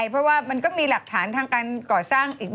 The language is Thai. พระเอกหล่อทำสาวท้อง